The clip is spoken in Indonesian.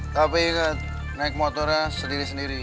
tapi naik motornya sendiri sendiri